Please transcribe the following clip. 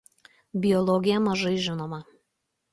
Biologija mažai žinoma.